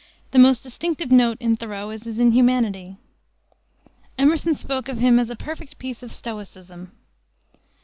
The most distinctive note in Thoreau is his inhumanity. Emerson spoke of him as a "perfect piece of stoicism."